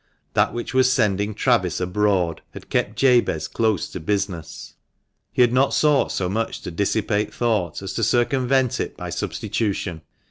That which was sending Travis abroad had kept Jabez close to business. He had not sought so much to dissipate thought as to circumvent it by substitution.